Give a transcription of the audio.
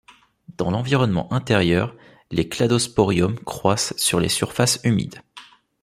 Dans l'environnement intérieur, les cladosporiums croissent sur les surfaces humides.